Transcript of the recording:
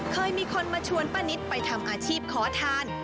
เคยมีคนมาชวนป้านิตไปทำอาชีพขอทาน